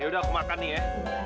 ya udah aku makan nih ya